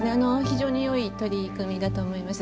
非常によい取り組みだと思います。